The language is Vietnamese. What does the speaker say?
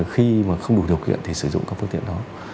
khi mà không đủ điều kiện thì sử dụng các phương tiện đó